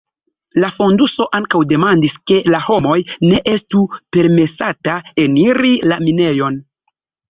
La fonduso ankaŭ demandis ke la homoj ne estu permesata eniri la minejon.